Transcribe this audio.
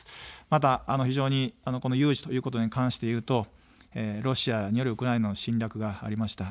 また非常に、この有事ということに関して言うと、ロシアによるウクライナの侵略がありました。